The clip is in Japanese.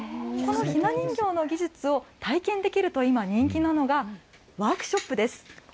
このひな人形の技術を体験できると今、人気なのが、ワークショップです。